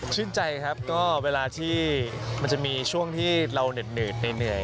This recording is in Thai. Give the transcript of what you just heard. ชื่นใจครับก็เวลาที่มันจะมีช่วงที่เราเหน็ดเหนื่อย